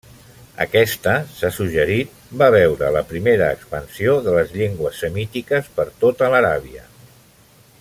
Aquesta, s'ha suggerit, va veure la primera expansió de les llengües semítiques per tota l'Aràbia.